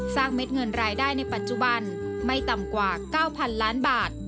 เม็ดเงินรายได้ในปัจจุบันไม่ต่ำกว่า๙๐๐ล้านบาท